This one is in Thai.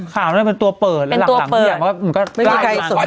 ข่าวนั่นเป็นตัวเปิดเป็นตัวเปิดแล้วหลังนี่อ่ะมันก็